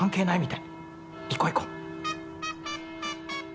いこいこ。